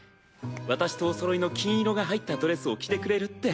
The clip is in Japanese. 私とおそろいの金色が入ったドレスを着てくれるって。